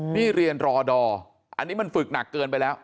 นี่เรียนรอดอร์อันนี้มันฝึกหนักเกินไปแล้ว